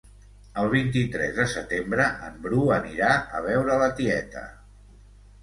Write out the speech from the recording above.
El vint-i-tres de setembre en Bru anirà a veure la tieta